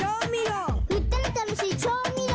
「ふったらたのしい調味料！」